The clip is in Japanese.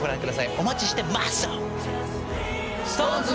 お待ちしてマッスル！ＳｉｘＴＯＮＥＳ